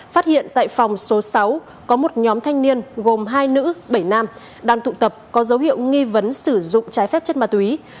phát hiện tại phòng số sáu có một nhóm thanh niên gồm hai nữ bảy nam đang tụ tập có dấu hiệu nghi vấn sử dụng trái phép chất ma túy